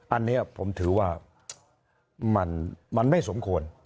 อันนี้ผมถือว่ามันไม่สมควร